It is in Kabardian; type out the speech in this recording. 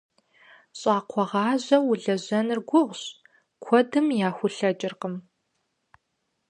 Щӏакхъуэгъажьэу уэлэжьэныр гугъущ, куэдым яхулъэкӏыркъым.